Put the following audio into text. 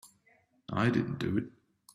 I didn't do it.